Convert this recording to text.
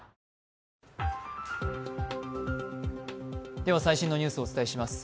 では最新のニュースをお伝えします。